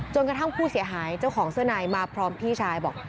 กระทั่งผู้เสียหายเจ้าของเสื้อในมาพร้อมพี่ชายบอก